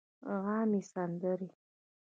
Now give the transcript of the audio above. عامې سندرې